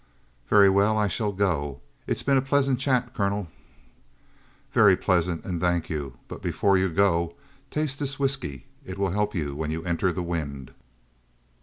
"Very well, I shall go. It has been a pleasant chat, colonel." "Very pleasant. And thank you. But before you go, taste this whisky. It will help you when you enter the wind."